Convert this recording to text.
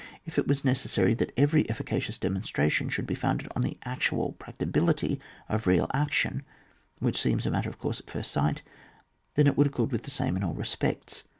If it was necessary that every efficacious demonstration should be founded on the actual practicability of real action, which seems a matter of ooTirse at first sight, then it would accord with the same in all respects.